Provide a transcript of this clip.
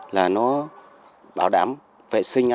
là nó bảo đảm vệ sinh an toàn